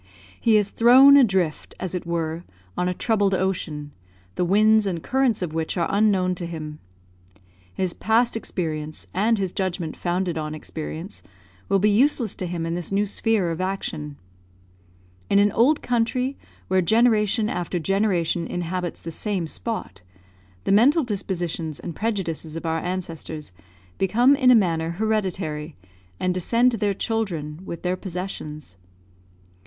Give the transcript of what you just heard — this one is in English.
He is thrown adrift, as it were, on a troubled ocean, the winds and currents of which are unknown to him. His past experience, and his judgment founded on experience, will be useless to him in this new sphere of action. In an old country, where generation after generation inhabits the same spot, the mental dispositions and prejudices of our ancestors become in a manner hereditary, and descend to their children with their possessions.